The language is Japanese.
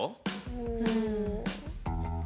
うん。